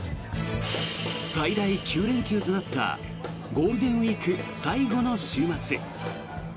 最大９連休となったゴールデンウィーク最後の週末。